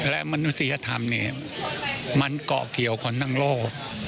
และมนุษยธรรมเนี่ยมันเกาะเกี่ยวคนทั้งโลก